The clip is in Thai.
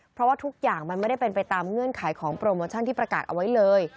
เพราะว่าทุกอย่างมันไม่ได้เป็นไปตามเงื่อนไขของโปรโมชั่นที่ประกาศเอาไว้เลย